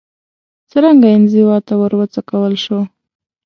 څرنګه انزوا ته وروڅکول شو